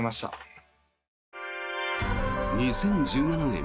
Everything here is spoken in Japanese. ２０１７年